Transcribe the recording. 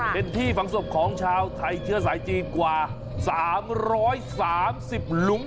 เป็นที่ฝังศพของชาวไทยเชื้อสายจีนกว่า๓๓๐หลุม